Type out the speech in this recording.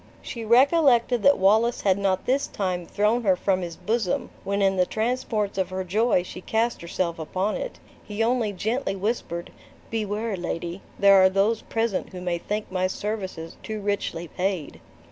She recollected that Wallace had not this time thrown her from his bosom, when in the transports of her joy she cast herself upon it; he only gently whispered, "Beware, lady, there are those present who may think my services too richly paid."